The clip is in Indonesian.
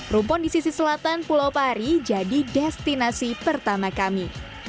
rumpon di sisi selatan pulau pari jadi destinasi pertama kami